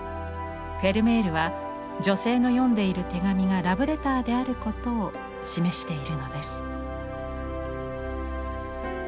フェルメールは女性の読んでいる手紙がラブレターであることを示しているのです。